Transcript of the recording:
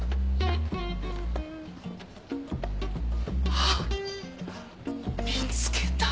あっ見つけた。